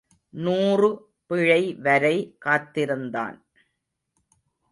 நூறு பிழை வரை காத்திருந்தான்.